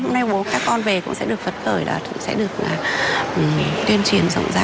hôm nay bố các con về cũng sẽ được phấn khởi và sẽ được tuyên truyền rộng rãi